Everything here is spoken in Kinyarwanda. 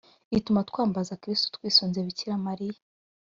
ituma twambaza kristu twisunze bikira mariya